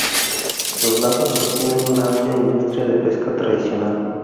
Los lagos sostienen una amplia industria de pesca tradicional.